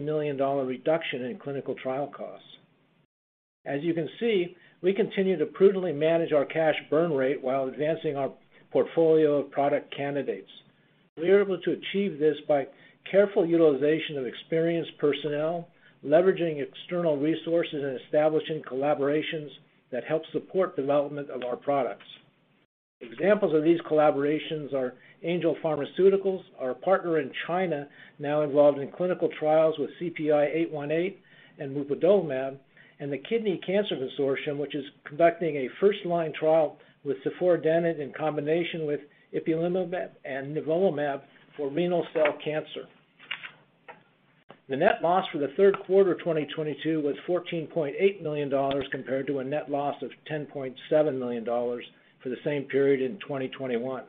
Million reduction in clinical trial costs. As you can see, we continue to prudently manage our cash burn rate while advancing our portfolio of product candidates. We are able to achieve this by careful utilization of experienced personnel, leveraging external resources, and establishing collaborations that help support development of our products. Examples of these collaborations are Angel Pharmaceuticals, our partner in China, now involved in clinical trials with CPI-818 and mupadolimab, and the Kidney Cancer Consortium, which is conducting a first-line trial with ciforadenant in combination with Ipilimumab and Nivolumab for renal cell cancer. The net loss for the third quarter 2022 was $14.8 million compared to a net loss of $10.7 million for the same period in 2021.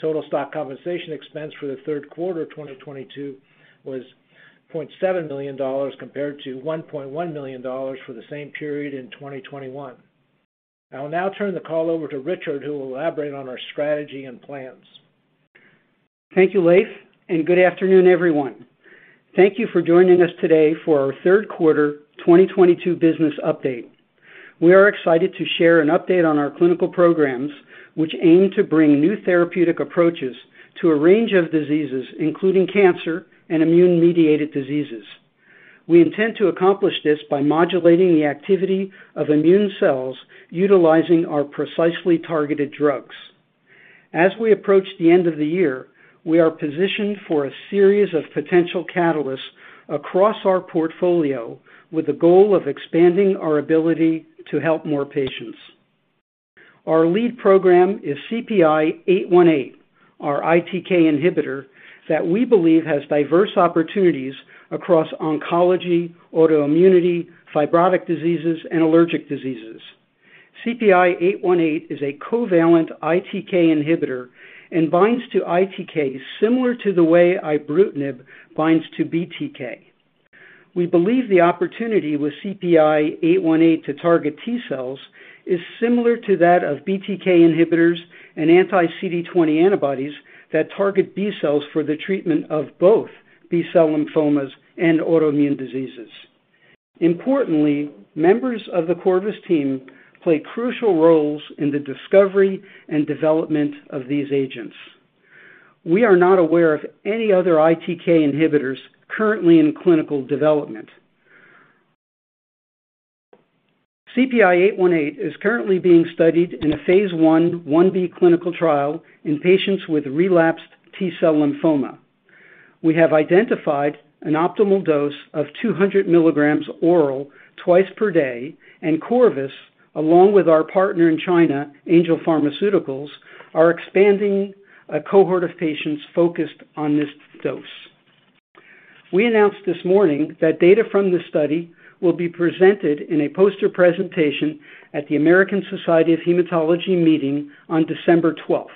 Total stock compensation expense for the third quarter 2022 was $0.7 million compared to $1.1 million for the same period in 2021. I will now turn the call over to Richard, who will elaborate on our strategy and plans. Thank you, Leiv, and good afternoon, everyone. Thank you for joining us today for our third quarter 2022 business update. We are excited to share an update on our clinical programs, which aim to bring new therapeutic approaches to a range of diseases, including cancer and immune-mediated diseases. We intend to accomplish this by modulating the activity of immune cells utilizing our precisely targeted drugs. As we approach the end of the year, we are positioned for a series of potential catalysts across our portfolio with the goal of expanding our ability to help more patients. Our lead program is CPI-818, our ITK inhibitor that we believe has diverse opportunities across oncology, autoimmunity, fibrotic diseases, and allergic diseases. CPI-818 is a covalent ITK inhibitor and binds to ITK similar to the way Ibrutinib binds to BTK. We believe the opportunity with CPI-818 to target T cells is similar to that of BTK inhibitors and anti-CD20 antibodies that target B cells for the treatment of both B cell lymphomas and autoimmune diseases. Importantly, members of the Corvus team play crucial roles in the discovery and development of these agents. We are not aware of any other ITK inhibitors currently in clinical development. CPI-818 is currently being studied in a phase l, lB clinical trial in patients with relapsed T cell lymphoma. We have identified an optimal dose of 200 milligrams oral twice per day, and Corvus, along with our partner in China, Angel Pharmaceuticals, are expanding a cohort of patients focused on this dose. We announced this morning that data from this study will be presented in a poster presentation at the American Society of Hematology meeting on December twelfth.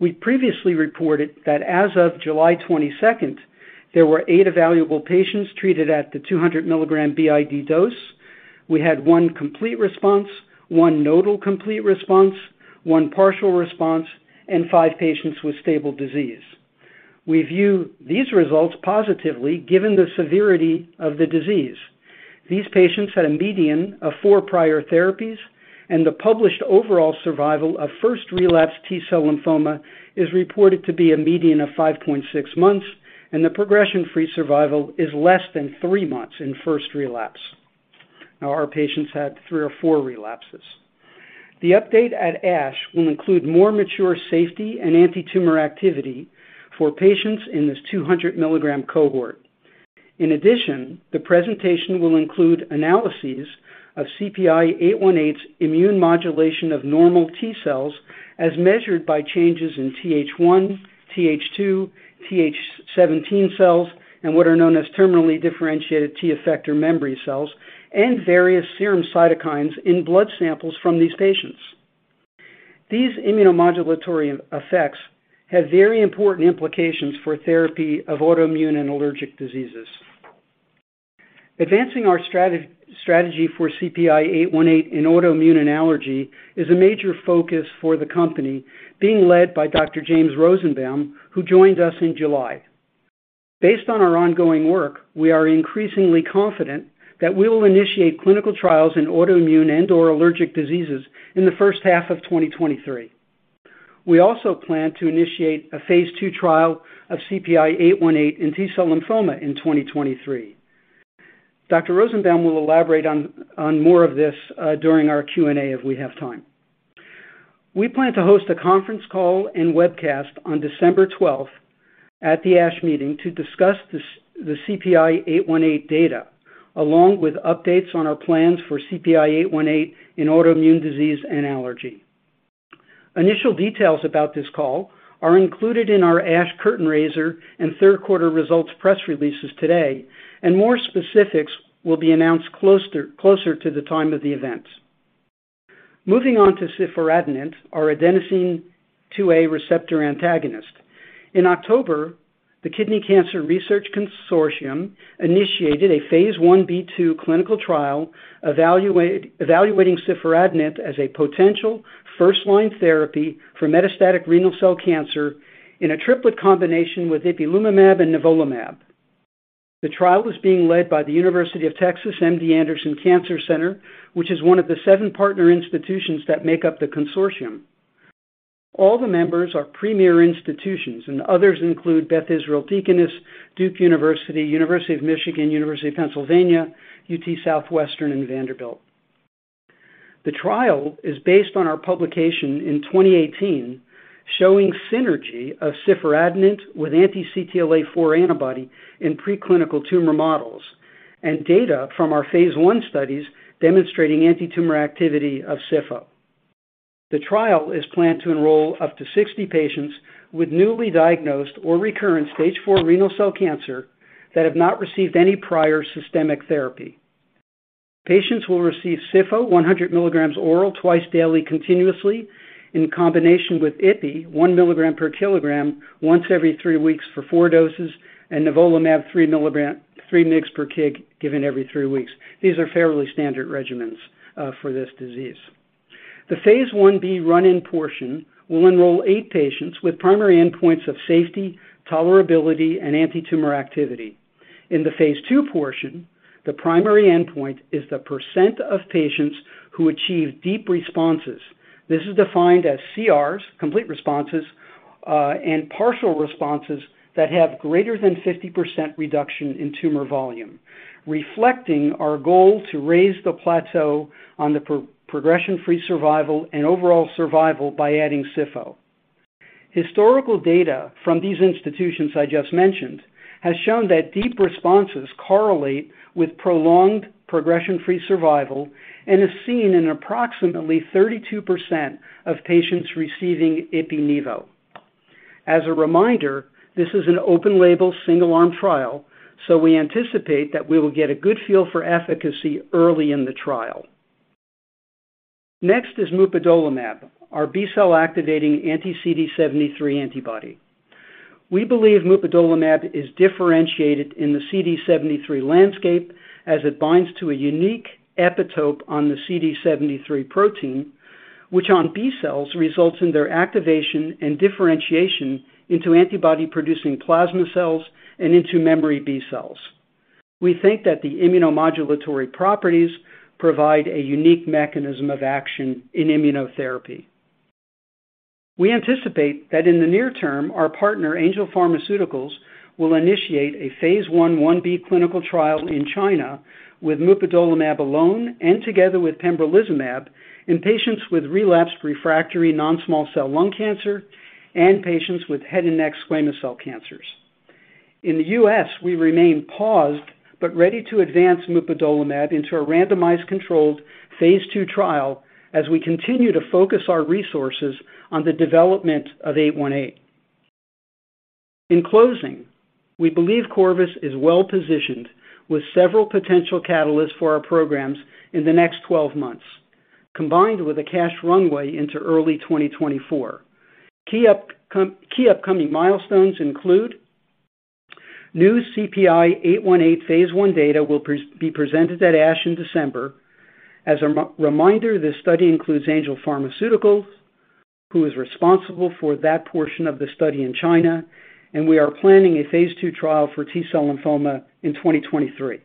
We previously reported that as of July 22, there were eight evaluable patients treated at the 200 milligram BID dose. We had one complete response, one nodal complete response, one partial response, and five patients with stable disease. We view these results positively, given the severity of the disease. These patients had a median of four prior therapies, and the published overall survival of first-relapse T-cell lymphoma is reported to be a median of 5.6 months, and the progression-free survival is less than three months in first relapse. Now, our patients had three or four relapses. The update at ASH will include more mature safety and antitumor activity for patients in this 200 milligram cohort. In addition, the presentation will include analyses of CPI-818's immune modulation of normal T cells as measured by changes in Th1, Th2, Th17 cells, and what are known as terminally differentiated T effector memory cells and various serum cytokines in blood samples from these patients. These immunomodulatory effects have very important implications for therapy of autoimmune and allergic diseases. Advancing our strategy for CPI-818 in autoimmune and allergy is a major focus for the company being led by Dr. James Rosenbaum, who joined us in July. Based on our ongoing work, we are increasingly confident that we will initiate clinical trials in autoimmune and/or allergic diseases in the first half of 2023. We also plan to initiate a Phase ll trial of CPI-818 in T-cell lymphoma in 2023. Dr. Rosenbaum will elaborate on more of this during our Q&A if we have time. We plan to host a conference call and webcast on December twelfth at the ASH meeting to discuss the CPI-818 data, along with updates on our plans for CPI-818 in autoimmune disease and allergy. Initial details about this call are included in our ASH curtain raiser and third quarter results press releases today, and more specifics will be announced closer to the time of the events. Moving on to ciforadenant, our adenosine A2A receptor antagonist. In October, the Kidney Cancer Research Consortium initiated a phase lB/ll clinical trial evaluating ciforadenant as a potential first-line therapy for metastatic renal cell cancer in a triplet combination with Ipilimumab and Nivolumab. The trial is being led by the University of Texas MD Anderson Cancer Center, which is one of the seven partner institutions that make up the consortium. All the members are premier institutions, and others include Beth Israel Deaconess, Duke University of Michigan, University of Pennsylvania, UT Southwestern, and Vanderbilt. The trial is based on our publication in 2018 showing synergy of ciforadenant with anti-CTLA-4 antibody in preclinical tumor models and data from our phase l studies demonstrating antitumor activity of SIFO. The trial is planned to enroll up to 60 patients with newly diagnosed or recurrent stage four renal cell cancer that have not received any prior systemic therapy. Patients will receive SIFO 100 milligrams oral twice daily continuously in combination with IPI, 1 milligram per kilogram once every three weeks for four doses, and nivolumab 3 milligrams per kg given every three weeks. These are fairly standard regimens for this disease. The phase lB run-in portion will enroll 8 patients with primary endpoints of safety, tolerability, and antitumor activity. In the Phase ll portion, the primary endpoint is the percent of patients who achieve deep responses. This is defined as CRs, complete responses, and partial responses that have greater than 50% reduction in tumor volume, reflecting our goal to raise the plateau on the progression-free survival and overall survival by adding ciforadenant. Historical data from these institutions I just mentioned has shown that deep responses correlate with prolonged progression-free survival and is seen in approximately 32% of patients receiving ipi/nivo. As a reminder, this is an open label single arm trial, so we anticipate that we will get a good feel for efficacy early in the trial. Next is mupadolimab, our B-cell activating anti-CD73 antibody. We believe mupadolimab is differentiated in the CD73 landscape as it binds to a unique epitope on the CD73 protein, which on B cells results in their activation and differentiation into antibody producing plasma cells and into memory B cells. We think that the immunomodulatory properties provide a unique mechanism of action in immunotherapy. We anticipate that in the near term, our partner, Angel Pharmaceuticals, will initiate a phase l, lB clinical trial in China with mupadolimab alone and together with pembrolizumab in patients with relapsed refractory non-small cell lung cancer and patients with head and neck squamous cell cancers. In the U.S., we remain paused but ready to advance mupadolimab into a randomized controlled Phase ll trial as we continue to focus our resources on the development of 818. In closing, we believe Corvus is well-positioned with several potential catalysts for our programs in the next 12 months, combined with a cash runway into early 2024. Key upcoming milestones include new CPI-818 phase l data will be presented at ASH in December. As a reminder, this study includes Angel Pharmaceuticals, who is responsible for that portion of the study in China, and we are planning a Phase ll trial for T-cell lymphoma in 2023.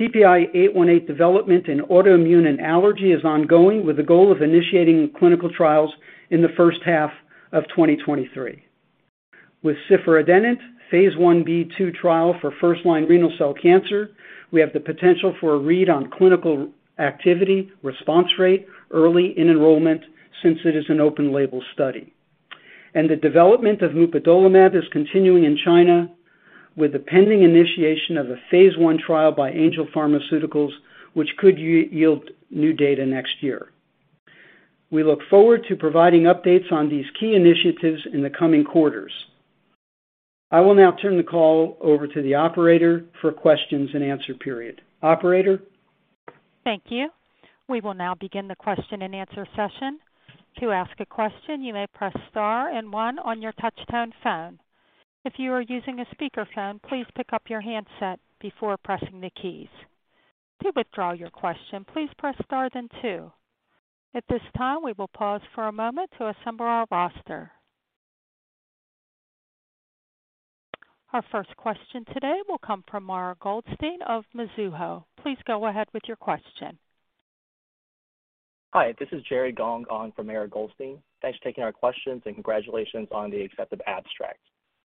CPI-818 development in autoimmune and allergy is ongoing, with the goal of initiating clinical trials in the first half of 2023. With ciforadenant, phase lB/ll trial for first-line renal cell cancer, we have the potential for a read on clinical activity response rate early in enrollment since it is an open-label study. The development of mupadolimab is continuing in China with the pending initiation of a phase one trial by Angel Pharmaceuticals, which could yield new data next year. We look forward to providing updates on these key initiatives in the coming quarters. I will now turn the call over to the operator for questions and answer period. Operator? Thank you. We will now begin the question and answer session. To ask a question, you may press star and one on your touchtone phone. If you are using a speaker phone, please pick up your handset before pressing the keys. To withdraw your question, please press star then two. At this time, we will pause for a moment to assemble our roster. Our first question today will come from Mara Goldstein of Mizuho. Please go ahead with your question. Hi, this is Jerry Gong for Mara Goldstein. Thanks for taking our questions, and congratulations on the accepted abstract.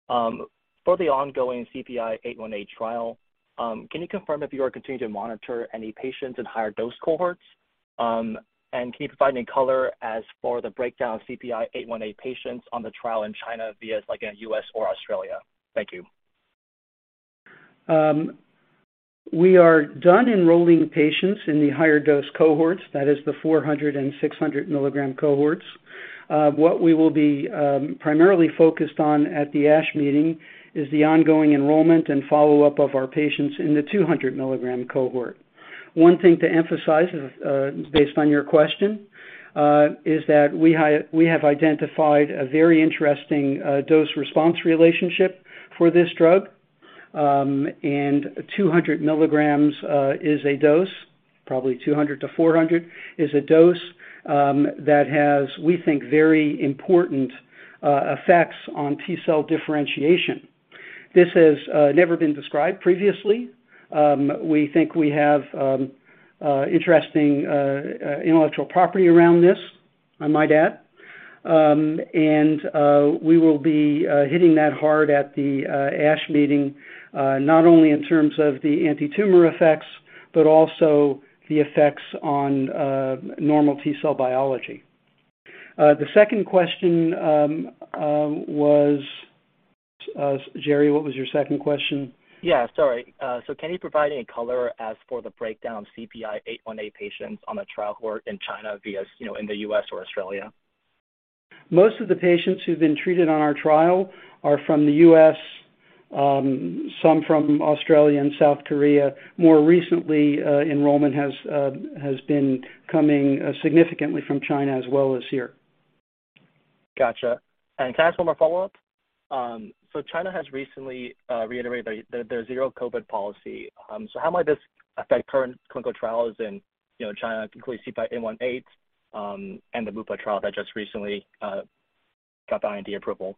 For the ongoing CPI-818 trial, can you confirm if you are continuing to monitor any patients in higher dose cohorts? Can you provide any color as to the breakdown of CPI-818 patients on the trial in China, like in the U.S. or Australia? Thank you. We are done enrolling patients in the higher dose cohorts, that is the 400 and 600 milligram cohorts. What we will be primarily focused on at the ASH meeting is the ongoing enrollment and follow-up of our patients in the 200 milligram cohort. One thing to emphasize, based on your question, is that we have identified a very interesting dose-response relationship for this drug. 200 milligrams is a dose, probably 200 to 400, is a dose that has, we think, very important effects on T cell differentiation. This has never been described previously. We think we have interesting intellectual property around this, I might add. We will be hitting that hard at the ASH meeting, not only in terms of the antitumor effects but also the effects on normal T cell biology. The second question was, Jerry, what was your second question? Can you provide any color as for the breakdown CPI-818 patients on the trial who are in China versus, you know, in the U.S. or Australia? Most of the patients who've been treated on our trial are from the U.S., some from Australia and South Korea. More recently, enrollment has been coming significantly from China as well as here. Gotcha. Can I ask one more follow-up? China has recently reiterated their zero-COVID policy. How might this affect current clinical trials in, you know, China, including CPI-818, and the MoPA trial that just recently got the IND approval?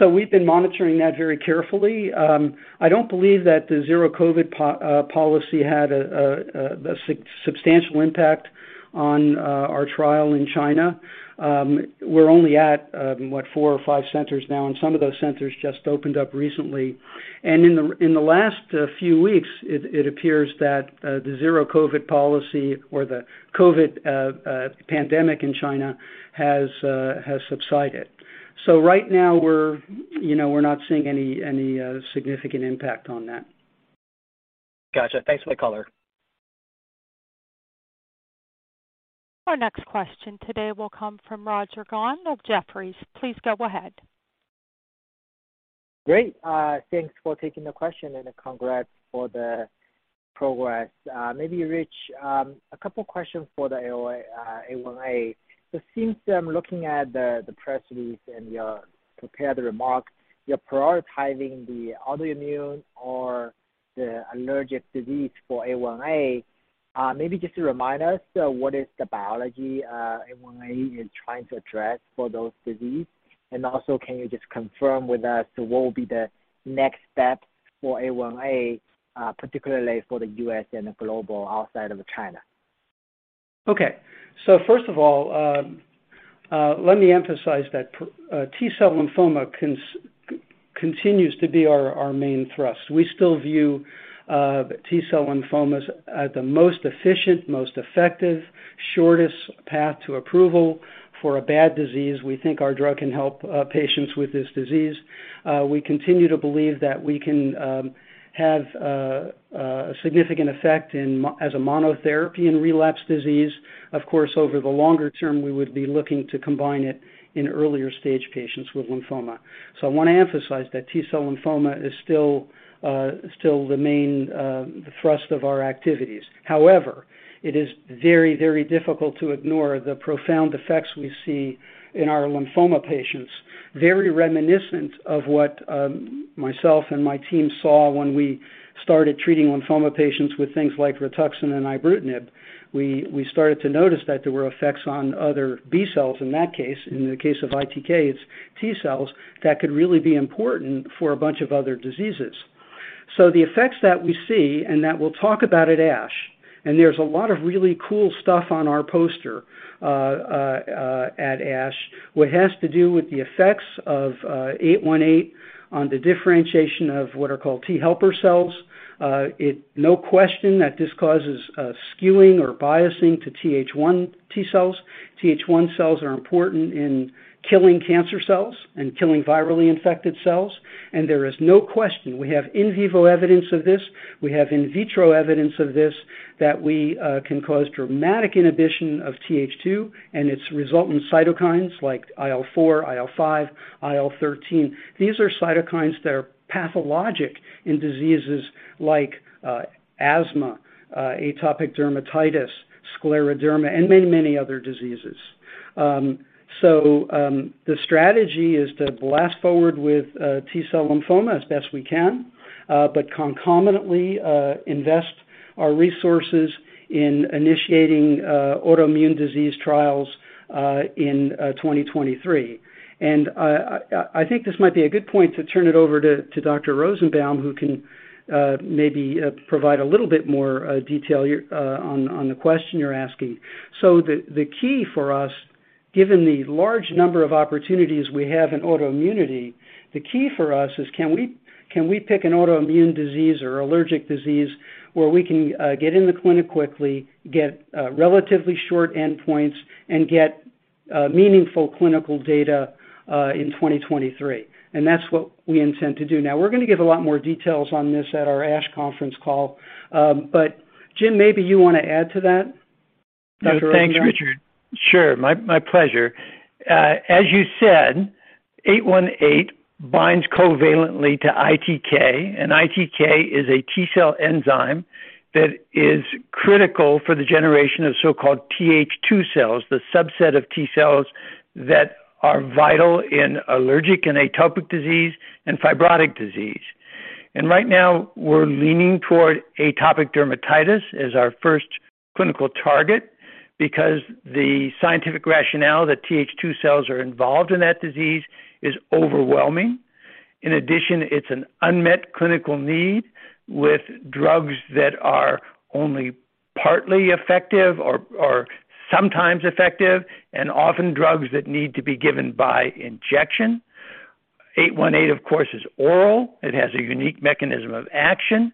We've been monitoring that very carefully. I don't believe that the zero-COVID policy had a substantial impact on our trial in China. We're only at four or five centers now, and some of those centers just opened up recently. In the last few weeks, it appears that the zero-COVID policy or the COVID pandemic in China has subsided. Right now, you know, we're not seeing any significant impact on that. Gotcha. Thanks for the color. Our next question today will come from Roger Song of Jefferies. Please go ahead. Great. Thanks for taking the question, and congrats for the progress. Maybe Rich, a couple questions for CPI-818. Since I'm looking at the press release and your prepared remarks, you're prioritizing the autoimmune or the allergic diseases for ITK. Maybe just to remind us, what is the biology ITK is trying to address for those diseases? And also, can you just confirm with us what will be the next step for ITK, particularly for the US and globally outside of China? Okay. First of all, let me emphasize that T-cell lymphoma continues to be our main thrust. We still view T-cell lymphomas as the most efficient, most effective, shortest path to approval for a bad disease. We think our drug can help patients with this disease. We continue to believe that we can have significant effect as a monotherapy in relapse disease. Of course, over the longer term, we would be looking to combine it in earlier stage patients with lymphoma. I wanna emphasize that T-cell lymphoma is still the main thrust of our activities. However, it is very, very difficult to ignore the profound effects we see in our lymphoma patients, very reminiscent of what myself and my team saw when we started treating lymphoma patients with things like Rituxan and Ibrutinib. We started to notice that there were effects on other B cells in that case, in the case of ITK's T cells, that could really be important for a bunch of other diseases. The effects that we see and that we'll talk about at ASH, and there's a lot of really cool stuff on our poster at ASH what has to do with the effects of CPI-818 on the differentiation of what are called T helper cells. No question that this causes a skewing or biasing to Th1 T cells. Th1 cells are important in killing cancer cells and killing virally infected cells. There is no question we have in vivo evidence of this, we have in vitro evidence of this, that we can cause dramatic inhibition of Th2 and its resultant cytokines like IL-4, IL-5, IL-13. These are cytokines that are pathologic in diseases like asthma, atopic dermatitis, scleroderma, and many other diseases. The strategy is to blast forward with T-cell lymphoma as best we can, but concomitantly invest our resources in initiating autoimmune disease trials in 2023. I think this might be a good point to turn it over to Dr. Rosenbaum, who can maybe provide a little bit more detail on the question you're asking. The key for us, given the large number of opportunities we have in autoimmunity, the key for us is can we pick an autoimmune disease or allergic disease where we can get in the clinic quickly, get relatively short endpoints, and get meaningful clinical data in 2023? That's what we intend to do. Now, we're gonna give a lot more details on this at our ASH conference call. But Jim, maybe you wanna add to that? Dr. Rosenbaum? Thanks, Richard. Sure. My pleasure. As you said, eight one eight binds covalently to ITK, and ITK is a T-cell enzyme that is critical for the generation of so-called Th2 cells, the subset of T cells that are vital in allergic and atopic disease and fibrotic disease. Right now, we're leaning toward atopic dermatitis as our first clinical target because the scientific rationale that Th2 cells are involved in that disease is overwhelming. In addition, it's an unmet clinical need with drugs that are only partly effective or sometimes effective, and often drugs that need to be given by injection. Eight-one-eight, of course, is oral. It has a unique mechanism of action.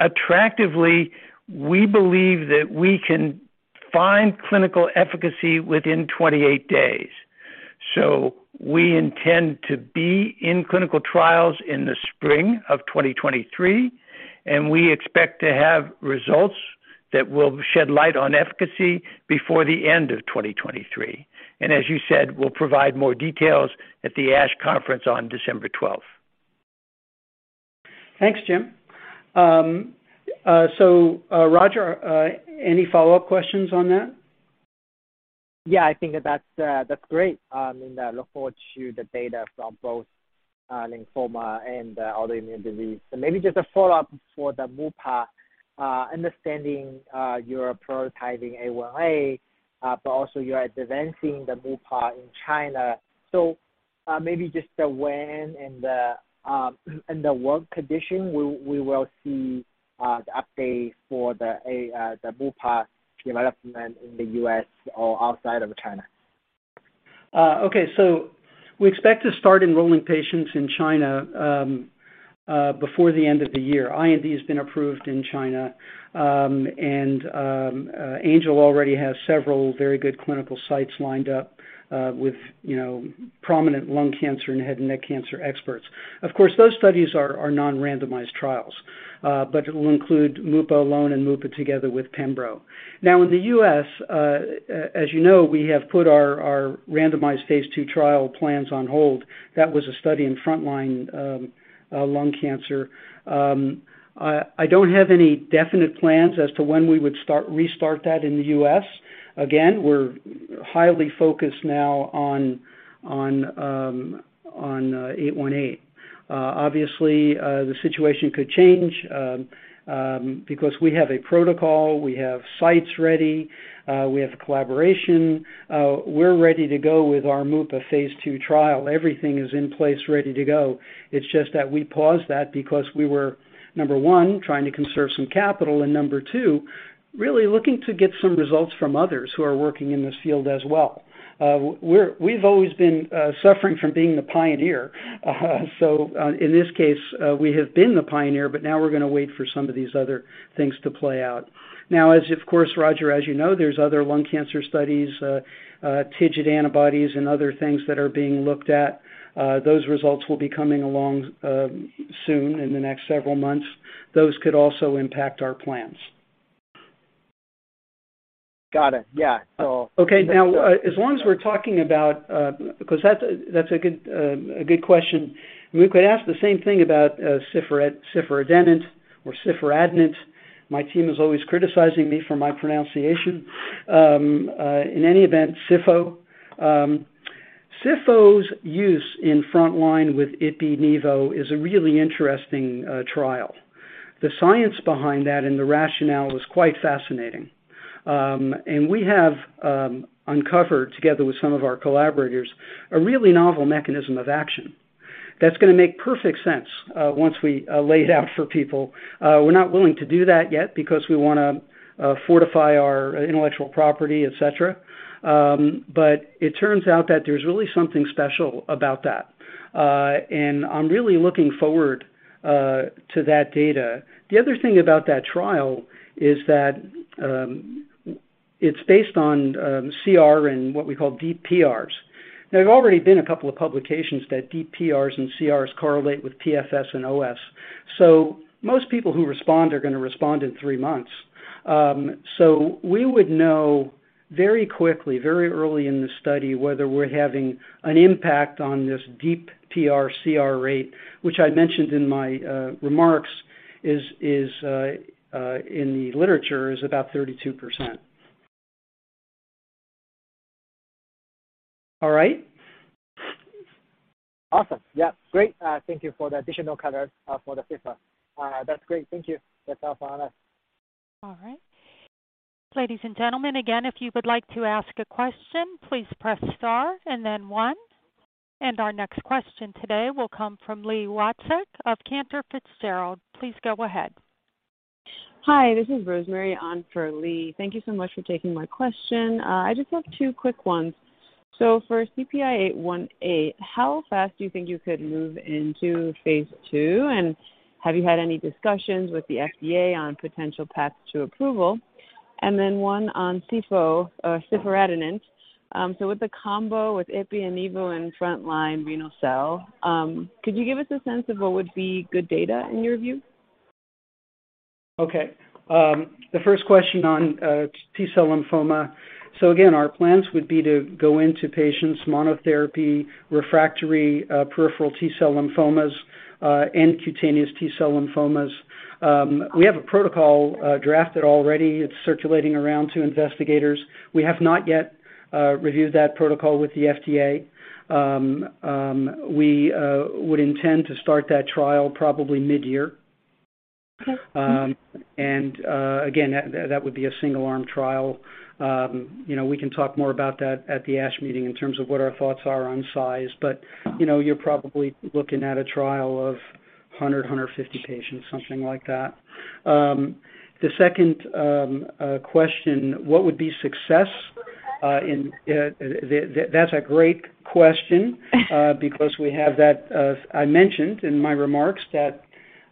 Attractively, we believe that we can find clinical efficacy within 28 days. We intend to be in clinical trials in the spring of 2023, and we expect to have results that will shed light on efficacy before the end of 2023. As you said, we'll provide more details at the ASH conference on December twelfth. Thanks, Jim. Roger, any follow-up questions on that? Yeah, I think that's great. I look forward to the data from both lymphoma and the autoimmune disease. Maybe just a follow-up for the mupadolimab, understanding you're prioritizing A2A, but also you are advancing the mupadolimab in China. Maybe just the when and what conditions we will see the update for the A2A, the mupadolimab development in the U.S. or outside of China. Okay. We expect to start enrolling patients in China before the end of the year. IND has been approved in China. Angel Pharmaceuticals already has several very good clinical sites lined up with you know prominent lung cancer and head and neck cancer experts. Of course, those studies are non-randomized trials, but it will include mupadolimab alone and mupadolimab together with pembrolizumab. Now in the U.S., as you know, we have put our randomized Phase ll trial plans on hold. That was a study in front line lung cancer. I don't have any definite plans as to when we would restart that in the U.S. Again, we're highly focused now on CPI-818. Obviously, the situation could change, because we have a protocol, we have sites ready, we have collaboration. We're ready to go with our mupadolimab Phase ll trial. Everything is in place ready to go. It's just that we paused that because we were, number one, trying to conserve some capital, and number two, really looking to get some results from others who are working in this field as well. We've always been suffering from being the pioneer. In this case, we have been the pioneer, but now we're gonna wait for some of these other things to play out. Now, of course, Roger, as you know, there's other lung cancer studies, TIGIT antibodies and other things that are being looked at. Those results will be coming along soon in the next several months. Those could also impact our plans. Got it. Yeah. Okay. Now, as long as we're talking about. Because that's a good question. We could ask the same thing about ciforadenant. My team is always criticizing me for my pronunciation. In any event, ciforadenant. Ciforadenant's use in front line with ipi/nivo is a really interesting trial. The science behind that and the rationale is quite fascinating. We have uncovered, together with some of our collaborators, a really novel mechanism of action that's gonna make perfect sense once we lay it out for people. We're not willing to do that yet because we wanna fortify our intellectual property, et cetera. It turns out that there's really something special about that. I'm really looking forward to that data. The other thing about that trial is that it's based on CR and what we call deep PRs. There have already been a couple of publications that deep PRs and CRs correlate with PFS and OS. Most people who respond are gonna respond in three months. We would know very quickly, very early in the study, whether we're having an impact on this deep PR CR rate, which I mentioned in my remarks, is in the literature, is about 32%. All right? Awesome. Yeah. Great. Thank you for the additional color for the ciforadenant. That's great. Thank you. That's all for us. All right. Ladies and gentlemen, again, if you would like to ask a question, please press star and then one. Our next question today will come from Li Watsek of Cantor Fitzgerald. Please go ahead. Hi, this is Rosemary on for Li. Thank you so much for taking my question. I just have two quick ones. For CPI-818, how fast do you think you could move into Phase ll? Have you had any discussions with the FDA on potential path to approval? Then one on ciforadenant. With the combo with ipi and nivo in front-line renal cell, could you give us a sense of what would be good data in your view? Okay. The first question on T-cell lymphoma. Again, our plans would be to go into patients monotherapy, refractory peripheral T-cell lymphomas and cutaneous T-cell lymphomas. We have a protocol drafted already. It's circulating around to investigators. We have not yet reviewed that protocol with the FDA. We would intend to start that trial probably midyear. Okay. Again, that would be a single-arm trial. You know, we can talk more about that at the ASH meeting in terms of what our thoughts are on size. You know, you're probably looking at a trial of 100-150 patients, something like that. The second question, what would be success. That's a great question. Because we have that. I mentioned in my remarks that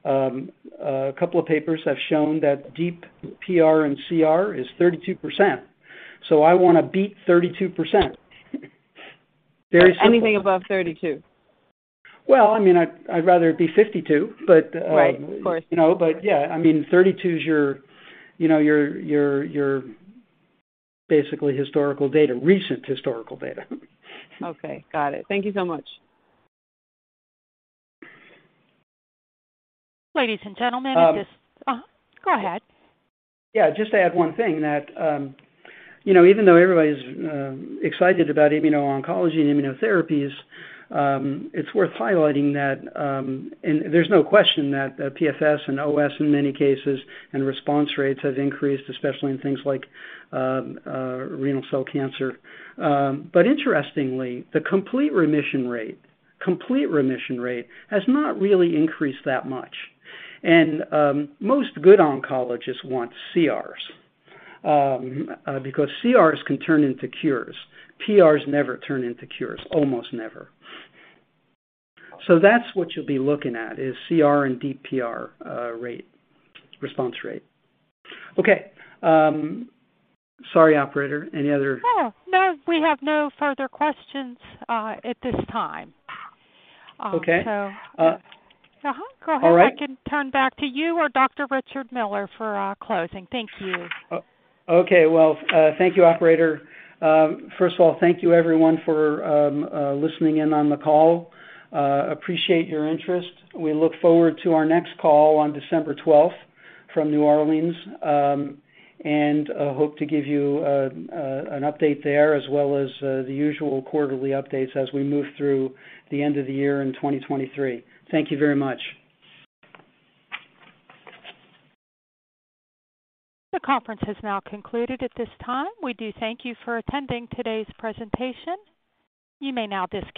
a couple of papers have shown that deep PR and CR is 32%, so I wanna beat 32%. Very simple. Anything above 32? Well, I mean, I'd rather it be 52, but. Right. Of course. Yeah, I mean, 32 is your, you know, basically historical data, recent historical data. Okay. Got it. Thank you so much. Ladies and gentlemen. Um- Just go ahead. Yeah, just to add one thing that, you know, even though everybody's excited about immuno-oncology and immunotherapies, it's worth highlighting that, and there's no question that, PFS and OS in many cases and response rates have increased, especially in things like renal cell cancer. Interestingly, the complete remission rate has not really increased that much. Most good oncologists want CRs, because CRs can turn into cures. PRs never turn into cures. Almost never. That's what you'll be looking at is CR and deep PR rate, response rate. Okay. Sorry, operator, any other- No, we have no further questions at this time. Okay. Uh-huh. Go ahead All right. I can turn it back to you or Dr. Richard Miller for our closing. Thank you. Okay. Well, thank you, operator. First of all, thank you everyone for listening in on the call. Appreciate your interest. We look forward to our next call on December twelfth from New Orleans, and hope to give you an update there as well as the usual quarterly updates as we move through the end of the year in 2023. Thank you very much. The conference has now concluded at this time. We do thank you for attending today's presentation. You may now disconnect.